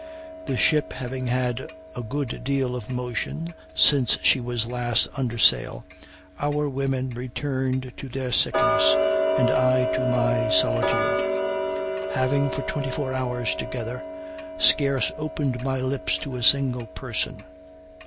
The ship having had a good deal of motion since she was last under sail, our women returned to their sickness, and I to my solitude; having, for twenty four hours together, scarce opened my lips to a single person.